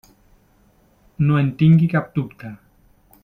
No en tingui cap dubte.